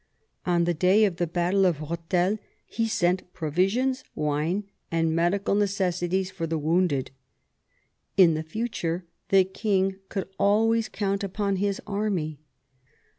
On the day of the battle of Rethel he sent provisions, wine, and medical necessaries for the wounded. In the future the king could always count upon his army.